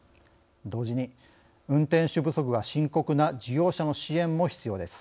同時に運転手不足が深刻な事業者の支援も必要です。